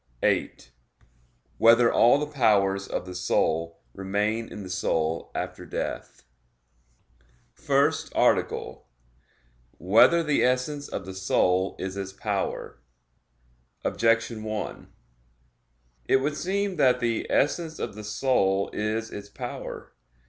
(8) Whether all the powers of the soul remain in the soul after death? _______________________ FIRST ARTICLE [I, Q. 77, Art. 1] Whether the Essence of the Soul Is Its Power? Objection 1: It would seem that the essence of the soul is its power.